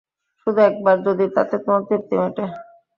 শুধু একবার, যদি তাতে তোমার তৃপ্তি মেটে।